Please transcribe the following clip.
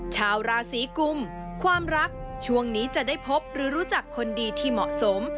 ชาวราศีกุมความรักช่วงนี้จะได้พบหรือรู้จักคนดีที่เหมาะสม